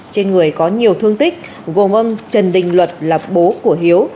trên người có nhiều thương tích gồm ông trần đình luật là bố của hiếu